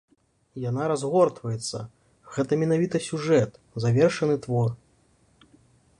Яна разгортваецца, гэта менавіта сюжэт, завершаны твор.